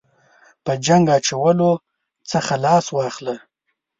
په جنګ اچولو څخه لاس واخله.